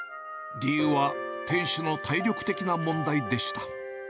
理由は、店主の体力的な問題でした。